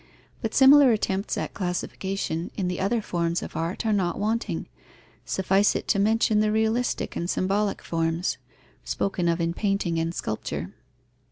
But similar attempts at classification in the other forms of art are not wanting: suffice it to mention the realistic and symbolic forms, spoken of in painting and sculpture.